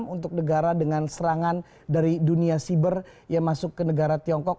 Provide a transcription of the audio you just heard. untuk negara dengan serangan dari dunia siber yang masuk ke negara tiongkok